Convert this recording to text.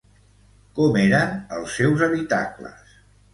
Com eren els seus habitacles?